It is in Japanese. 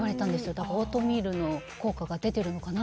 だからオートミールの効果が出てるのかなって。